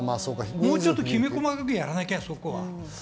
もうちょっときめ細かくやらなきゃそこは。